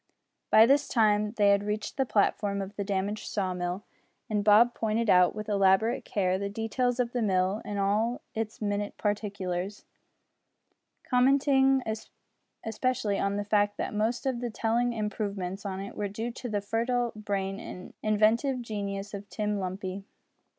By this time they had reached the platform of the damaged saw mill, and Bob pointed out, with elaborate care, the details of the mill in all its minute particulars, commenting specially on the fact that most of the telling improvements on it were due to the fertile brain and inventive genius of Tim Lumpy.